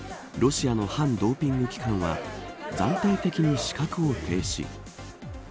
ロシアの反ドーピング機関は暫定的に資格を停止。